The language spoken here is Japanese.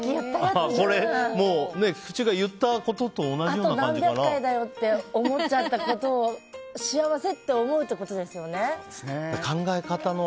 菊地が言ったこととあと何十回だよって思っちゃったことを幸せって思うってことですよね。